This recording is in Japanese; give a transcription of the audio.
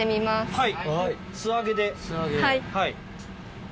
はい。